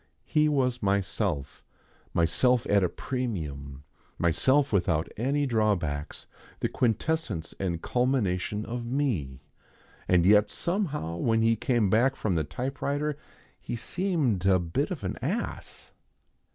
He was myself myself at a premium, myself without any drawbacks, the quintessence and culmination of me. And yet somehow when he came back from the typewriter he seemed a bit of an ass.